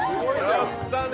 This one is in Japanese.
やったね。